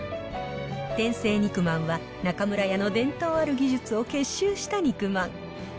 天成肉饅は中村屋の伝統ある技術を結集した肉まん。